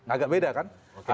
agak beda kan